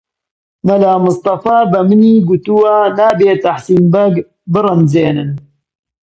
مەلا مستەفا بە منی گوتووە نابێ تەحسین بەگ بڕەنجێنن